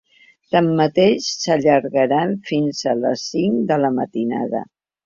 Tanmateix, s’allargaran fins a les cinc de la matinada.